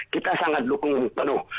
kita sangat dukung penuh